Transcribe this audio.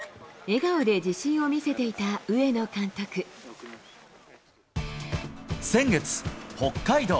笑顔で自信を見せていた上野先月、北海道。